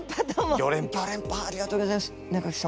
ギョ連覇ありがとうございます稲垣様。